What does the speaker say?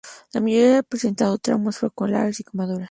La mayoría ha presentado traumas, fracturas y quemaduras.